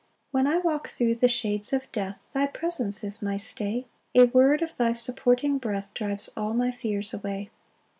3 When I walk thro' the shades of death, Thy presence is my stay; A word of thy supporting breath Drives all my fears away.